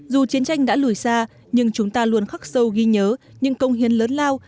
dù chiến tranh đã lùi xa nhưng chúng ta luôn khắc sâu ghi nhớ những công hiến lớn lao